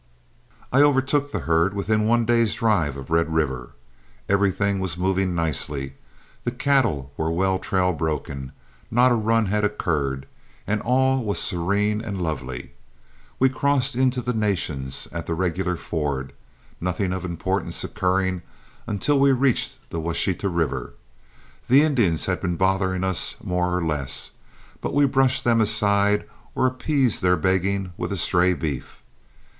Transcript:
I overtook the herd within one day's drive of Red River. Everything was moving nicely, the cattle were well trail broken, not a run had occurred, and all was serene and lovely. We crossed into the Nations at the regular ford, nothing of importance occurring until we reached the Washita River. The Indians had been bothering us more or less, but we brushed them aside or appeased their begging with a stray beef.